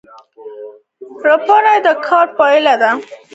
راپور د کار پایله ده